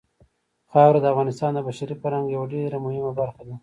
خاوره د افغانستان د بشري فرهنګ یوه ډېره مهمه برخه ده.